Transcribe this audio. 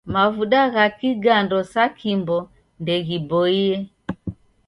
Mavuda gha kigando sa Kimbo ndeghiboie.